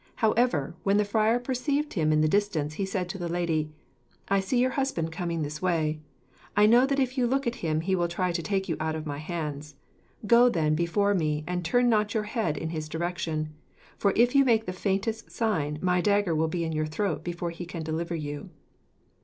However, when the friar perceived him in the distance, he said to the lady "I see your husband coming this way. I know that if you look at him he will try to take you out of my hands. Go, then, before me, and turn not your head in his direction; for, if you make the faintest sign, my dagger will be in your throat before he can deliver you."